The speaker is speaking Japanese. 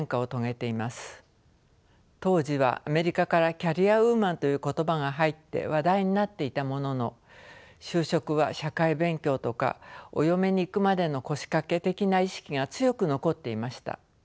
当時はアメリカからキャリアウーマンという言葉が入って話題になっていたものの就職は社会勉強とかお嫁に行くまでの腰かけ的な意識が強く残っていました。